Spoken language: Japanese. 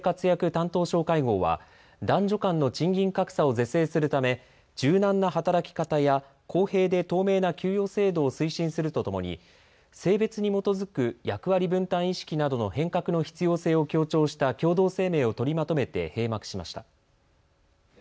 担当相会合は、男女間の賃金格差を是正するため柔軟な働き方や、公平で透明な給与制度を推進するとともに性別に基づく役割分担意識などの変革の必要性を強調した共同声明を取りまとめて閉幕しました。